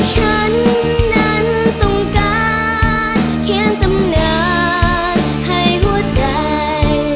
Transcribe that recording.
ฉันนั้นต้องการเพียงตำนานให้หัวใจ